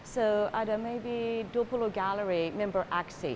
jadi mungkin ada dua puluh galeri member aksi